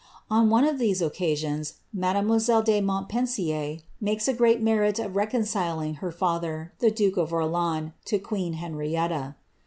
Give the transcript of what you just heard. On one of these occasions, mademoiselle de Montpensier makes a great merit of reconciling her father, the duke of Orleans, to queen Henrietta.